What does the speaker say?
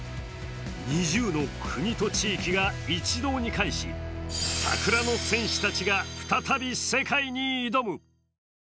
２０の国と地域が一堂に会し桜の戦士たちが再び世界に挑む。